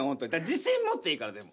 自信持っていいからでも。